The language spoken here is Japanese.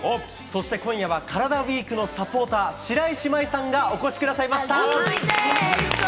そして、今夜はカラダＷＥＥＫのサポーター、白石麻衣さんがお越しくださいました。